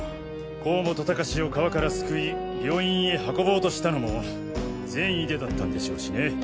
甲本高士を川から救い病院へ運ぼうとしたのも善意でだったんでしょうしね。